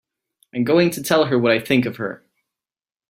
I'm going to tell her what I think of her!